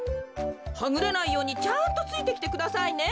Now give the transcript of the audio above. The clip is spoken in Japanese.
はぐれないようにちゃんとついてきてくださいね。